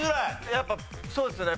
やっぱそうっすね。